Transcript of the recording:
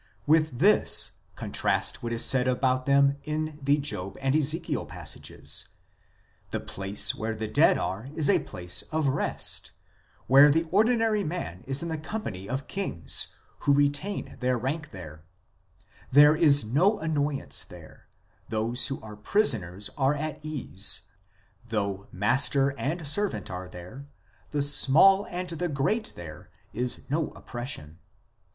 With this contrast what is said about them in the Job and Ezekiel passages ; the place where the dead are is a place of rest, where the ordinary man is in the company of kings, who retain their rank there ; there is no annoyance there ; those who are prisoners are at ease ; though master and servant are there, " the small and the great," there is no oppres sion.